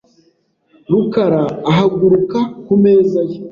rukara ahaguruka ku meza ye .